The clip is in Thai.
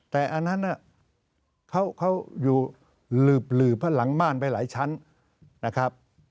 แต่อันนั้นเขาอยู่หลืบเพราะหลังบ้านไปหลายชั้นนะครับ